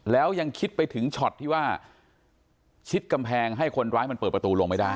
แล้วยังคิดไปถึงช็อตที่ว่าชิดกำแพงให้คนร้ายมันเปิดประตูลงไม่ได้